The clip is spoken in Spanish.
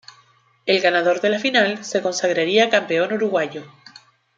El ganador de la final se consagraría campeón uruguayo.